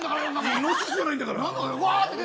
イノシシじゃないんだよ。